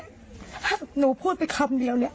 ถ้าหนูพูดไปคำเดียวเนี่ย